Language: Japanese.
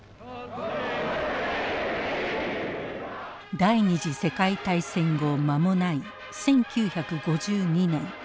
第２次世界大戦後間もない１９５２年。